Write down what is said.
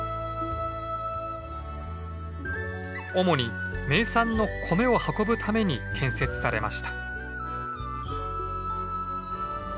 主に名産の米を運ぶために建設されました。